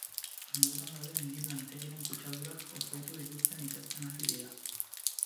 Inguruan dauden bi lantegiren kutsadurak pozoitu dituzten ikertzen ari dira.